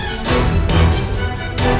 aku akan mencari makanan yang lebih enak